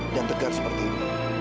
dan tegar seperti ini